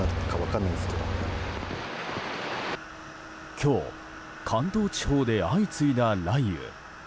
今日、関東地方で相次いだ雷雨。